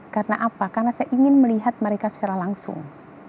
karena apa karena saya ingin melihat mereka secara langsung